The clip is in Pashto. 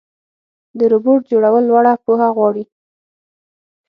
د روبوټ جوړول لوړه پوهه غواړي.